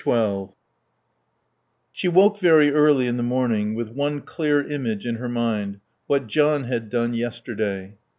XII She woke very early in the morning with one clear image in her mind: what John had done yesterday.